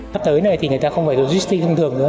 sắp tới này thì người ta không phải logistic thông thường nữa